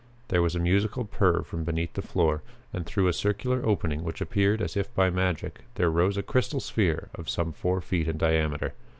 There was a musical purr from beneath the floor, and, through a circular opening which appeared as if by magic, there rose a crystal sphere of some four feet in diameter.